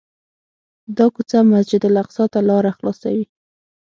دا کوڅه مسجدالاقصی ته لاره خلاصوي.